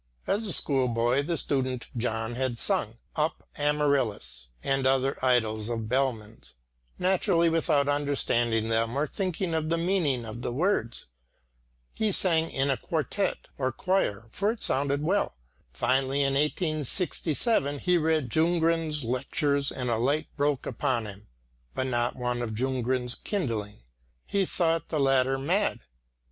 As a school boy and student, John had sung "Up, Amaryllis" and other idylls of Bellmann's, naturally without understanding them or thinking of the meaning of the words. He sang in a quartette, or choir, for it sounded well. Finally, in 1867, he read Ljunggren's lectures and a light broke upon him, but not one of Ljunggren's kindling. He thought the latter mad.